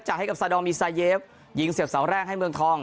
ให้กับซาดองมีซาเยฟยิงเสียบเสาแรกให้เมืองทอง